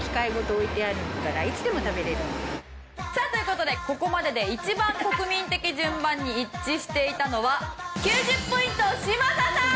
さあという事でここまでで一番国民的順番に一致していたのは９０ポイント嶋佐さん！